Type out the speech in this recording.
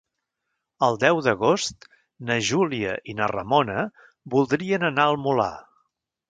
El deu d'agost na Júlia i na Ramona voldrien anar al Molar.